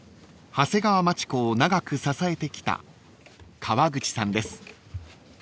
［長谷川町子を長く支えてきた川口さんです］